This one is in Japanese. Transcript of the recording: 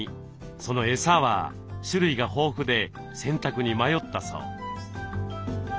そのエサは種類が豊富で選択に迷ったそう。